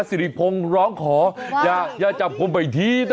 สิริพงศ์ร้องขออย่าจับผมไปอีกทีนะ